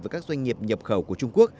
với các doanh nghiệp nhập khẩu của trung quốc